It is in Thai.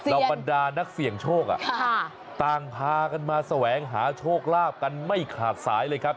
บรรดานักเสี่ยงโชคต่างพากันมาแสวงหาโชคลาภกันไม่ขาดสายเลยครับ